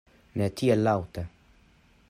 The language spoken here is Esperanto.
Ne tiel laŭte!